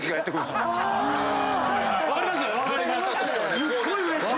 すっごいうれしい！